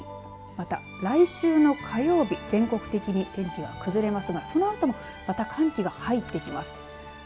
さらに、また来週の火曜日全国的に天気が崩れますがそのあともまた寒気が入ってきます。